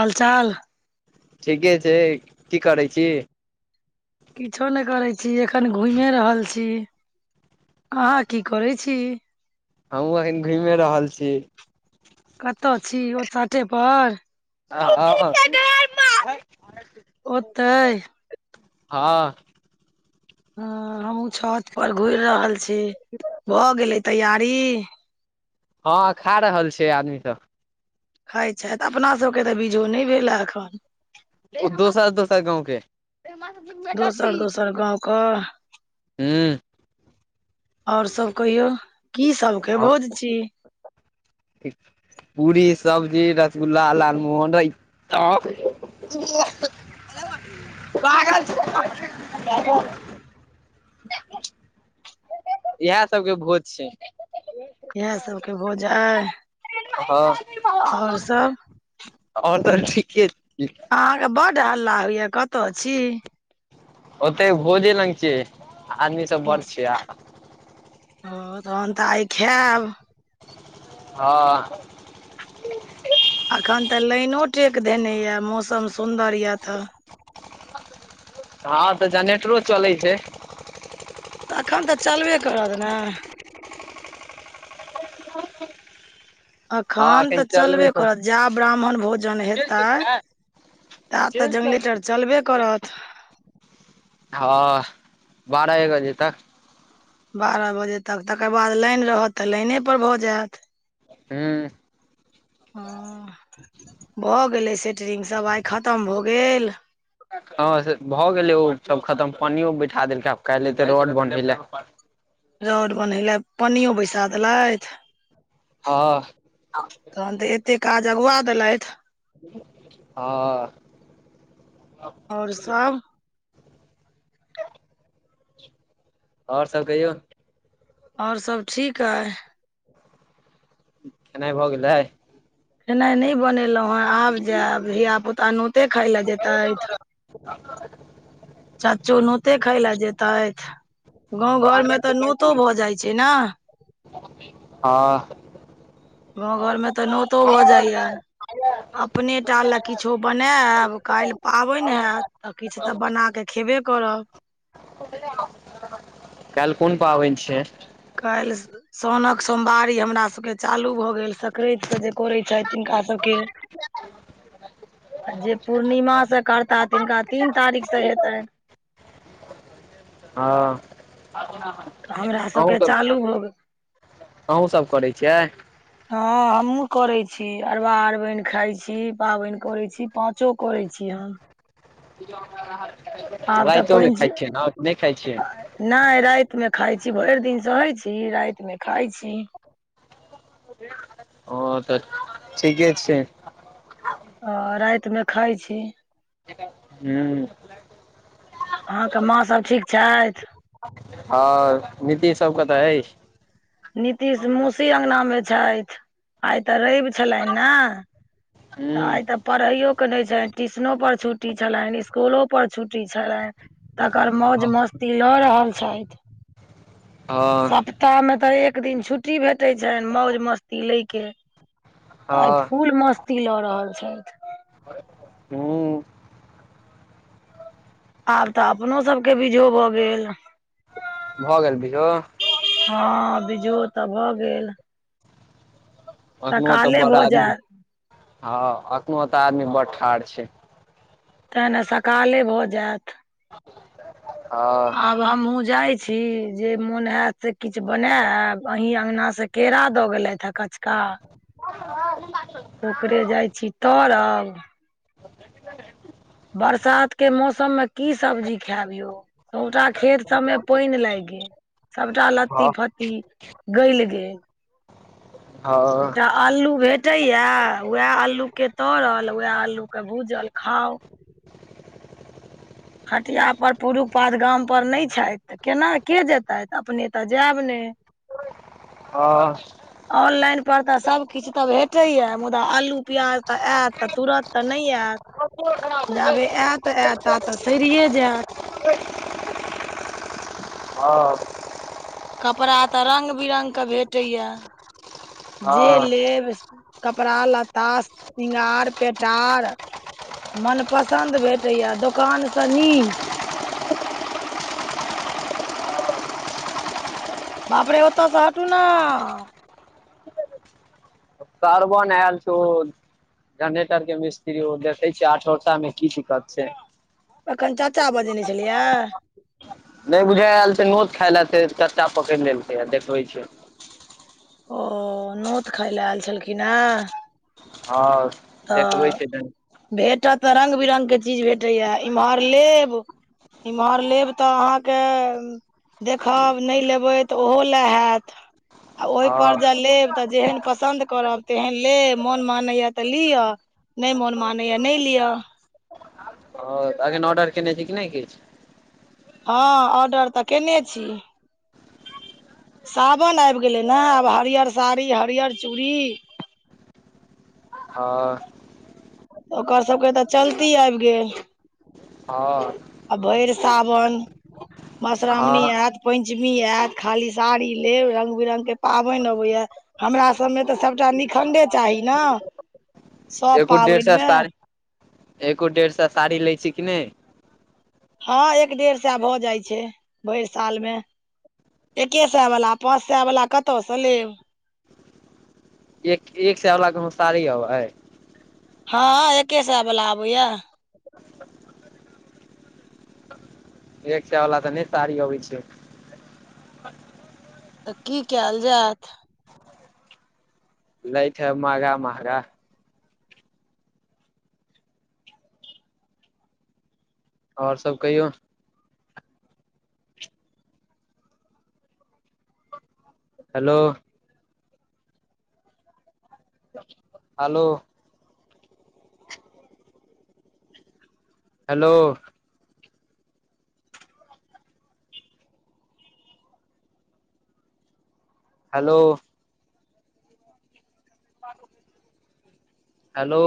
हलचाल ठीके छै की करै छी? किछो नइ करै छी एखन घुइमे रहल छी। अहाँ की करै छी? हमहुँ अहैन घुइमे रहल छी। कत छी? ओ चाटे पर [unintelligible] ओतैय? हँ। हं- हमूँ छत पर घुइर रहल छी भ गेले तैयारी? हँ खा रहल छैय आदमी सब खायत छैथ, अपना सबके तऽ बीझो न शइ भेलय अखन ओ दोसर- दोसर गाँवके [unintelligible] दोसर दोसर गाँवक हूं और सभ कहियौ की सबके भोज छी। [unintelligible] पूरी सब्जी रसगुल्ला लालमोहन रैय ता। [unintelligible] इहा सबके भोज छैय। इएह सबके भोज आय। हँ और तऽ ठीके छी। अहाँके बड्ड हल्ला होइय कतऽ छी। ओतय भोजे लंग छियै आदमी सब बड़ छिया। ओ तहन तऽ आइ खाएब। ह अखन तऽ लाइनो टेक धेनेया मौसम सुन्दर यऽ तऽ। हँ तऽ जनेट्रो चलैय छैय। अखैन तऽ चलबे करत नऽ। हँ अखन एखन तऽ चलबे करत जा ब्राह्मण भोजन हेतैय। कर ता तऽ जंगलेटर चलबे करत। हँ बारह एक बजे तक। बारह बजे तक तकर बाद लाइन रहत तऽ लाइनेपर भऽ जाएत। हुँ हँ भऽ गेलैय से ट्रिंग सब आइ खतम भऽ गेल। हँ से भऽ गेलै ओ सब खतम पन्नियो बैठा देलकै आब कैल्ह एतैय रौड बंधैय लऽ। रौड बन्हैे लऽ पन्नियो बैसा देलथि। हँ हँ तहन तऽ एत्ते काज अगुआ देलथि। ह आओर सब। आओर सब कहियौ। आओर सब ठीक अइ। खेनाइ भऽ गेलैय। खेनाइ नहि बनेलहुँ हेँ आब जाएब, धियापुता नोते खाय लए जेतैथ। चच्चो नोते खााय लऽ जेतैथ, गाँंव घर हँ में तऽ नोतो भऽ जाइ छैय नह। हँ गाँव घरमे तऽ नोतो भऽ जाइ यऽ। अपने टा लए किछो बनाएब काल्हि पाबनि हेएत त किछु तऽ बना के खेबे करब। कैल्ह कोन पाबनि छैय। काल्हि शौनक सोमवारी हमरा सबके चालू भऽ गेल सक्रैत सँ जे करै छैथ तिनका सभके। जे पूर्णिमा सँ करता तिनका तीन तारीख से हेतनि। हँ तऽ हमरा सबके अहूँसभ, चालू भऽ गेल अहूँ सभ करैय छियै। हँ हमहुँ कऽरैय छी अरबा अरबाइन खाइ छी पाबनि कऽरैय छी पा चो कऽ रैय छी अहाँ। आब रैतोमे खाइ छियै नऽ कि नहि खाइ छियै। नई राइत में खाय छी भरि दिन सऽहै छी राइत मे खाय छी। ओ तऽ ठीके छै। आ राति मे खाय छी। हुं। अहाँके माँ सभ ठीक छथि। आ नीतीश सब कतऽ अछि। नीतीश मौसी अंगना मे छथि, आइ ते रवि छलनि ने। तऽ हूँ आइ तऽ पढ़ैयो के नहि छलनि, ट्यूशनो पर छुट्टी छलनि, इसकुलो पर छुट्टी छलनि। तकर मौज मस्ती लऽ रहल छथि। हँ सप् सप्ताह मे तऽ एक दिन छुट्टी भेटैत छनि मौज मस्ती लय के। आइ हँ फुल मस्ती लऽ रहल छथि। हुं। आब तऽ अपनो सभके बीझो भऽ गेल। भऽ गेल बिझो। हँ बीझो तऽ भऽ गेल। एखनो तऽ सकाले बड़ भऽ आदमी जायत हँ एखनो तऽ आदमी बड़ ठाढ़ छै। ते ने सकाले भऽ जायत। हँ। आब हमहुँ जाय छी, जे मोन हयत से किछ बनायब, अहीं अंगना से केरा दऽ गेलथि हे कचका आ [unintelligible] ओकरे जाइ छी तरब बरसात के मौसम मे की सब्जी खायब यौ। सबटा खेत सबमे पानि लागि गेल सबटा लत्ती हँ फत्ती गलि गेल। हँ। एकटा अल्लू भेटैये, वैह अल्लू के तरल वैह अल्लू के भूजल खाउ। हटिया पर पुरुष पात गाम पर नहि छथि। तऽ केना के जेतैत तऽ अपने तऽ जायब नै। हँ। ऑनलाइन पर तऽ सभकिछु तब भेटैये मुदा आलू प्याज तऽ एयत तऽ तुरत तऽ नहि आयत, जाबे एत एत तऽ सड़िये जायत। हँ [unintelligible] कपड़ा तऽ रंग बिरंग के भेटैये, जे हँ लेब कपड़ा लत्ता सिंगार पेटार मन पसन्द भेटैये दोकान सँ नीक। बाप रे ओतऽ स हटू ने। सरवन आयल छौ। जनेटर के मिस्त्री ओ देखै छै आठो में की दिक्कत छै। अखैन चाचा बजेने छलैये। नहि बुझाय आयल छलैये नोत खाय ले ते चच्चा पकड़ि लेलकै आ देखै छियै। ओ नोत खाय ले आयव छलखिन हे। हँ। देखबै तऽ छै भेटत तऽ रंग बिरंगके चीज भेटैये इमहर लेब इम्हर लेब तऽ अहाँके देखब नहि लेबै तऽ ओहो ले हैत। आ ओयपर हँ जे लेब तऽ जेहन पसन्द करब तेहन लेब मोन मानैए तऽ लिअ नैय मोन मानय नैय लिअ। हँ अखन ऑर्डर केने छी कि नैय किछ। हँ ऑर्डर तऽ केने छी। सावन आइब गेलै न आब हरिअर साड़ी हरिअर चूड़ी हँ ओकर सबके तऽ चलती आइब गेल। हँ आ भैर सावन मश्रावणी हँ ऐत, पञ्चमी ऐत, खाली साड़ी लेब रंग बिररंग के पाबैन अबैए। हमरा सभमे तऽ सभटा निखण्डे चाही ने सभ एगो डेढ़ पाबनि सए मे साड़ी, एगो डेढ़ सए साड़ी लै छै, कि नैय। हँ एक डेढ़ सए भऽ जाइ छै, भैर साल मे एक्के सए बला पाँच सएवला कतऽसँ लेब एक- एक सएवला कुनु साड़ी अबै है! हँ एक्के सए बला आबैया एक सए वला तऽ नैय सारी अबै छै। तऽ की कैल जैत लैत हैब महगा- महगा ओर सब कहियौ। Hello hello hello hello hello